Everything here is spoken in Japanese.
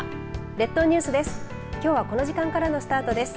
列島ニュースです。